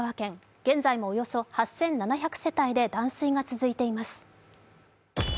現在もおよそ８７００世帯で断水が続いています。